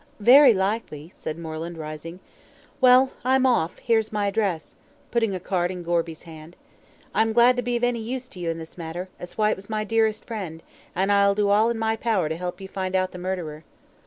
"Very likely," said Moreland, rising. "Well, I'm off; here's my address," putting a card in Gorby's, hand. "I'm glad to be of any use to you in this matter, as Whyte was my dearest friend, and I'll do all in my power to help you to find out the murderer."